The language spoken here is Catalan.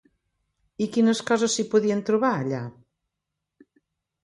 I quines coses s'hi podien trobar allà?